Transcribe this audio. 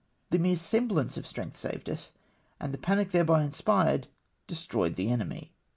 The mere semblance of strength saved us, and the panic thereby inspired destroyed the enemy.